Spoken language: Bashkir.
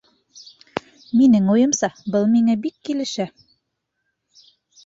Минең уйымса, был миңә бик килешә